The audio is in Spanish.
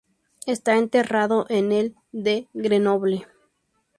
Está enterrado en el de Grenoble.